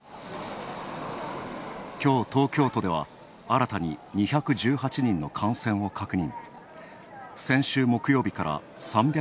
きょう、東京都では、新たに２１８人の感染を確認。